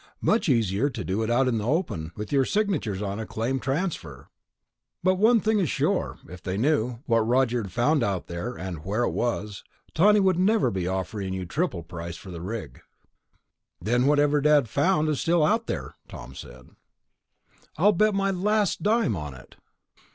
Much easier to do it out in the open, with your signatures on a claim transfer. But one thing is sure ... if they knew what Roger found out there, and where it was, Tawney would never be offering you triple price for the rig." "Then whatever Dad found is still out there," Tom said. "I'd bet my last dime on it."